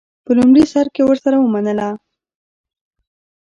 په لومړي سر کې ورسره ومنله.